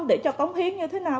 để cho tổng hiến như thế nào